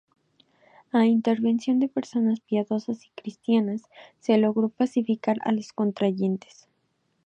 A intervención de personas piadosas y cristianas se logró pacificar a los contrayentes.